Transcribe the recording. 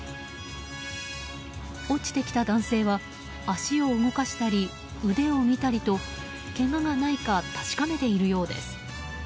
落ちてきた男性は足を動かしたり腕を見たりとけががないか確かめているようです。